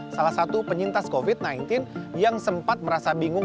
salah satu penyintas covid sembilan belas yang sempat merasa bingung